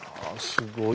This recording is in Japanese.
すごい。